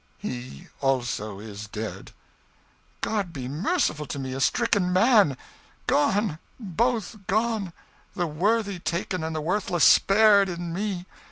"He, also, is dead." "God be merciful to me, a stricken man! Gone, both gone the worthy taken and the worthless spared, in me!